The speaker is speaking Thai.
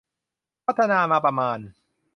พัฒนามาประมาณ